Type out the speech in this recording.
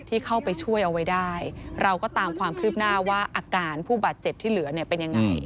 ที่เข้าไปช่วยเอาไว้ได้เราก็ตามความคืบหน้าว่าอาการผู้บาดเจ็บที่เหลือเนี่ยเป็นยังไง